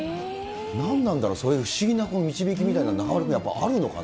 何なんだろう、その不思議な導きみたいな、中丸君、やっぱりあるのかな？